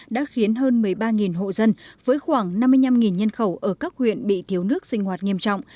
đã khiến hơn một mươi ba hộ dân với khoảng năm mươi năm nhân khẩu ở các huyện bị thiếu nước sinh hoạt nghiêm trọng